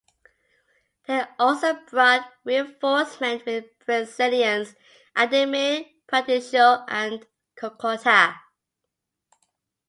They also brought reinforcement with Brazilians Ademir Praticio and Coccota.